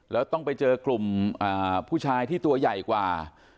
แล้วต้องไปเจอกลุ่มผู้ชายที่ตัวใหญ่กว่า